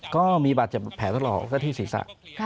ก็มีบาดเจ็บแผลถลอกซะที่ศีรษะ